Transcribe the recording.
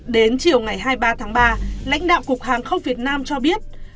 đến chiều ngày hai mươi ba tháng ba lãnh đạo cục hàng không việt nam cho biết